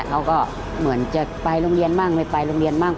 เขาก็เหมือนจะไปโรงเรียนบ้างไม่ไปโรงเรียนบ้าง